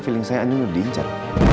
feeling saya ini udah diincar